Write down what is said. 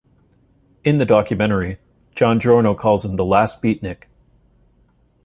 In the documentary, John Giorno calls him the last beatnik.